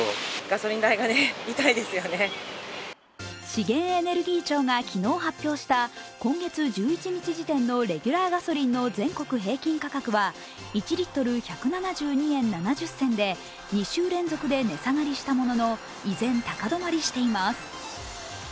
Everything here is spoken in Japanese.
資源エネルギー庁が昨日発表した今月１１日時点のレギュラーガソリンの全国平均価格は１リットル＝１７２円７０銭で２週連続で値下がりしたものの、依然高止まりしています。